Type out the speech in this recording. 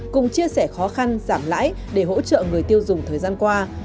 cùng chia sẻ khó khăn giảm lãi để hỗ trợ người tiêu dùng thời gian qua